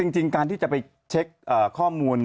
จริงการที่จะไปเช็คข้อมูล